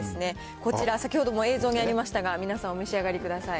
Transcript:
こちら、先ほども映像にありましたが、皆さん、お召し上がりください。